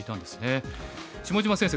下島先生